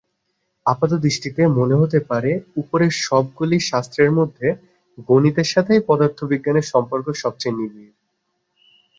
আপাতদৃষ্টিতে মনে হতে পারে উপরের সবগুলি শাস্ত্রের মধ্যে গণিতের সাথেই পদার্থবিজ্ঞানের সম্পর্ক সবচেয়ে নিবিড়।